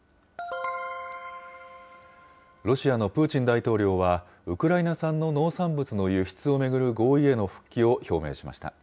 ロシアのプーチン大統領は、ウクライナ産の農産物の輸出を巡る合意への復帰を表明しました。